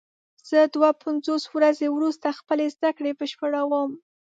زه دوه پنځوس ورځې وروسته خپلې زده کړې بشپړوم.